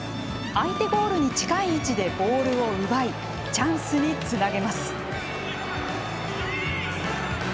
相手ゴールに近い位置でボールを奪いチャンスにつなげます。